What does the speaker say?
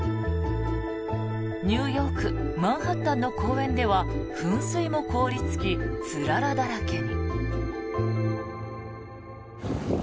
ニューヨーク・マンハッタンの公園では噴水も凍りつきつららだらけに。